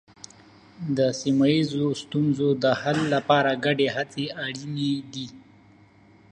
د سیمه ییزو ستونزو د حل لپاره ګډې هڅې اړینې دي.